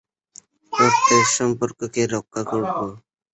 রক্তের সম্পর্ককে রক্ষা করবেো।